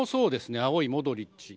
青いモドリッチ。